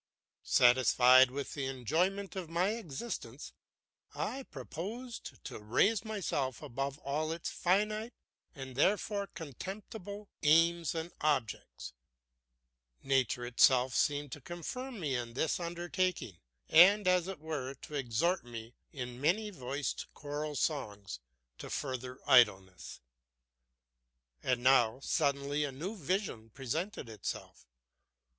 Satisfied with the enjoyment of my existence, I proposed to raise myself above all its finite, and therefore contemptible, aims and objects. Nature itself seemed to confirm me in this undertaking, and, as it were, to exhort me in many voiced choral songs to further idleness. And now suddenly a new vision presented itself.